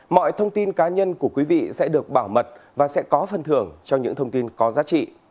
mọi thông tin cá nhân của quý vị sẽ được bảo mật và sẽ có phân thưởng cho những thông tin có giá trị